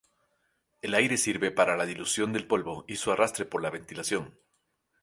El aire sirve para la dilución del polvo y su arrastre por la ventilación.